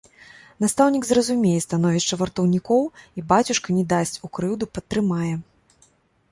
Настаўнік зразумее становішча вартаўнікоў, і бацюшка не дасць у крыўду, падтрымае!